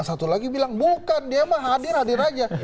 satu lagi bilang bukan dia mah hadir hadir aja